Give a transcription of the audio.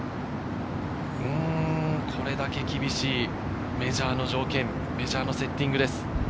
これだけ厳しいメジャーの条件、メジャーのセッティングです。